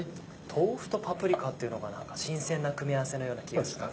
豆腐とパプリカっていうのが新鮮な組み合わせのような気がします。